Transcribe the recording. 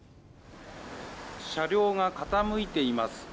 車両が傾いています。